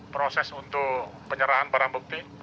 proses untuk penyerahan barang bukti